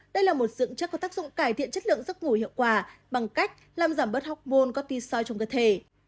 đây là một dưỡng chất có tác dụng cải thiện chất lượng giấc ngủ hiệu quả bằng cách làm giảm bớt học môn có tiso trong cơ thể